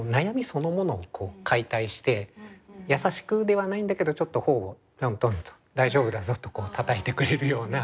そのものを解体して優しくではないんだけどちょっと頬をトントンと「大丈夫だぞ」とたたいてくれるような。